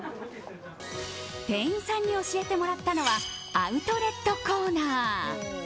店員さんに教えてもらったのはアウトレットコーナー。